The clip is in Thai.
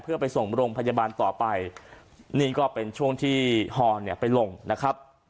เพื่อไปส่งโรงพยาบาลต่อไปนี่ก็เป็นช่วงที่ฮอเนี่ยไปลงนะครับ